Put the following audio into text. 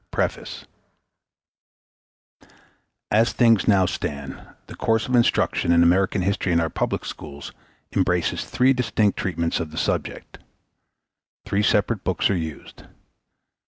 S.A. PREFACE As things now stand, the course of instruction in American history in our public schools embraces three distinct treatments of the subject. Three separate books are used.